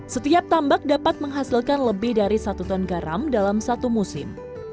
setiap tambak dapat menghasilkan lebih dari satu ton garam dalam satu musim